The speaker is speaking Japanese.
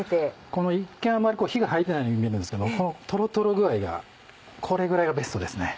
この一見あまり火が入ってないように見えるんですけどこのトロトロ具合がこれぐらいがベストですね。